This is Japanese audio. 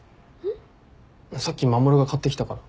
さっき守が買ってきたから。